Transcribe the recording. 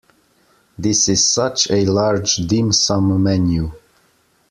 This is such a large dim sum menu.